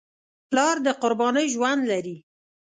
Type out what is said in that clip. پلار د قربانۍ ژوند لري.